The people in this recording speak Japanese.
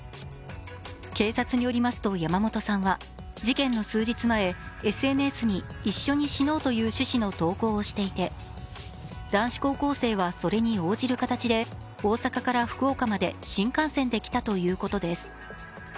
警察によりますと山本さんは事件の数日前、ＳＮＳに「一緒に死のう」という趣旨の投稿をしていて男子高校生は、それに応じる形で大阪から福岡まで新幹線で来たということです。